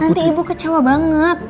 nanti ibu kecewa banget